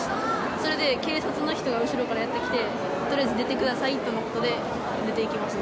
それで警察の人が後ろからやって来て、とりあえず出てくださいとのことで、出ていきました。